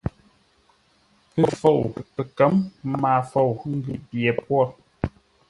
Pəfou, pəkə̌m, pəmaafou, ə́ ngʉ̌ pye pwôr.